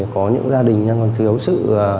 có những gia đình còn thiếu sự